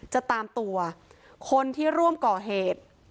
จะตามตัวคนที่ร่วมก่อเหตุ